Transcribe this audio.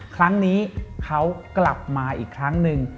ครั้งนี้เขากลับมาอีกครั้งหนึ่ง